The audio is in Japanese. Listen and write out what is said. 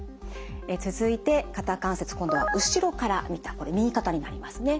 続いて肩関節今度は後ろから見たこれ右肩になりますね。